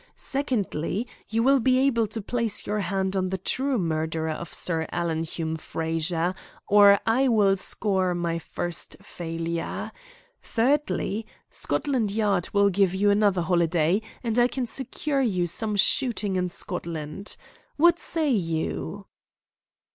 Secondly, you will be able to place your hand on the true murderer of Sir Alan Hume Frazer, or I will score my first failure. Thirdly, Scotland Yard will give you another holiday, and I can secure you some shooting in Scotland. What say you?"